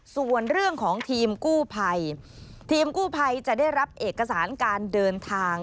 ส่วนเรื่องของทีมกู้ภัยทีมกู้ภัยจะได้รับเอกสารการเดินทาง